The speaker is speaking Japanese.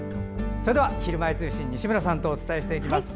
それでは「ひるまえ通信」西村さんとお伝えしていきます。